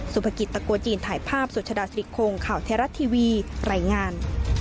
สวัสดีครับ